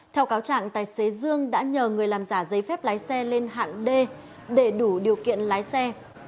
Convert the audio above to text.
theo cáo trạng tài xế dương đã nhờ người làm giả giấy phép lái xe lên hạng d để đủ điều kiện lái xe